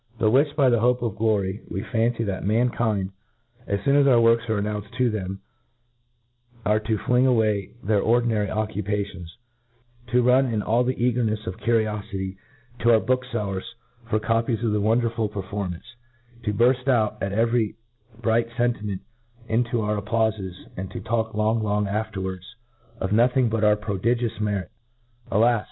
Bewitched by the hope of glory, we fancy that mankind, as foon as our works are announced to them, are to fling away their ordinary occupations ; to run in all the eagcrnefs of ciiriofity to our bookfeller's^ for f n t T A C E It for copies of the wonderful performance ; to burft out, at every bright fentinient, into our ap piaufes ; and to talk, long, long afterwards, of no thing but our prodigious merit. Alas!